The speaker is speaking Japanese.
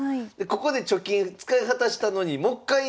ここで貯金使い果たしたのにもっかい